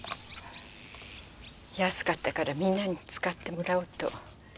安かったからみんなに使ってもらおうと。